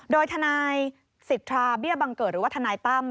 โดยทนายสิทธาเบี้ยบังเกิดหรือว่าทนายตั้ม